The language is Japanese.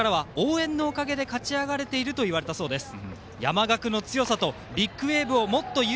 林投手からは応援のおかげで勝ち上がれていると話されたそうです。